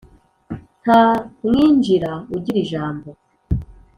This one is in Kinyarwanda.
nta mwinjira ugira ijambo.